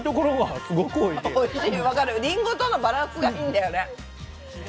りんごとのバランスがいいんだよね。